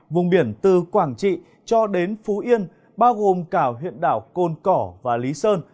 vùng biển từ quảng trị cho đến phú yên bao gồm cả huyện đảo côn cỏ và lý sơn